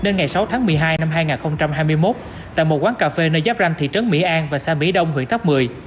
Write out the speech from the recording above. năm hai nghìn hai mươi một tại một quán cà phê nơi giáp ranh thị trấn mỹ an và xa mỹ đông huyện tháp mười